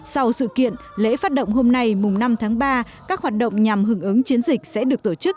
sau sự kiện lễ phát động hôm nay mùng năm tháng ba các hoạt động nhằm hưởng ứng chiến dịch sẽ được tổ chức